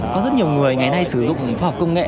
có rất nhiều người ngày nay sử dụng khoa học công nghệ